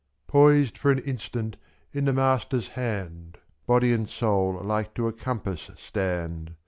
Poised for an instant in The Master's hand. Body and soul like to a compass stand, /4 7.